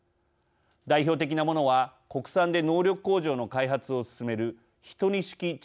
代表的なものは国産で能力向上の開発を進める１２式地